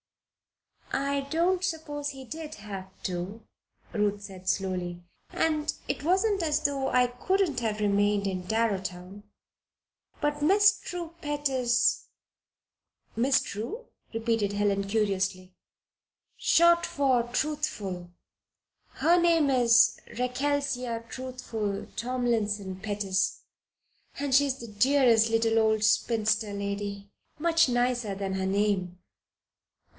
"I don't suppose he did have to," Ruth said, slowly. "And it wasn't as though I couldn't have remained in Darrowtown. But Miss True Pettis " "Miss True?" repeated Helen, curiously. "Short for Truthful. Her name is Rechelsea Truthful Tomlinson Pettis and she is the dearest little old spinster lady much nicer than her name."